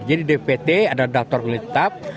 jadi dpt adalah daftar pemilih tetap